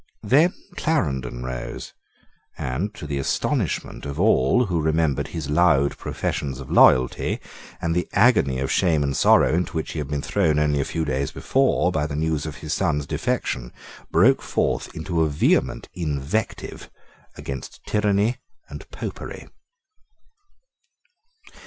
Then Clarendon rose, and, to the astonishment of all who remembered his loud professions of loyalty, and the agony of shame and sorrow into which he had been thrown, only a few days before, by the news of his son's defection, broke forth into a vehement invective against tyranny and Popery.